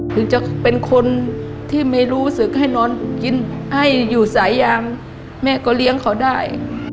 ถึงจะเป็นคนที่ไม่รู้สึกให้นอนกินไออยู่สายยางแม่ก็เลี้ยงเขาได้